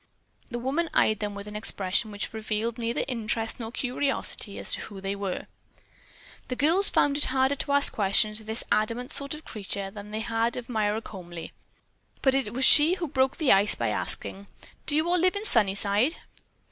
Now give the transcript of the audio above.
The woman eyed them with an expression which revealed neither interest nor curiosity as to who they were. The girls found it harder to ask questions of this adamant sort of a creature than they had of Myra Comely. But she it was who broke the ice by asking, "Do you all live in Sunnyside?"